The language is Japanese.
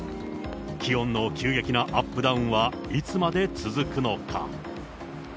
気温の急激なアップダウンはいつまで続くのか。